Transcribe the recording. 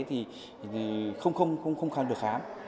thì không khăn được khám